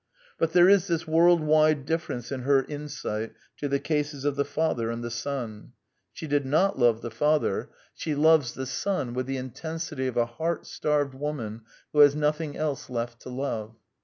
But there is this world wide difiference in her insight to the cases of the father and the son. She did not love the father : g6 The Quintessence of Ibsenism she loves the son with the intensity of a heart starved woman who has nothing else left to love.